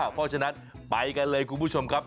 เพราะฉะนั้นไปกันเลยคุณผู้ชมครับ